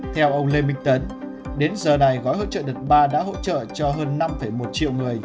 theo ông lê minh tấn đến giờ này gói hỗ trợ đợt ba đã hỗ trợ cho hơn năm một triệu người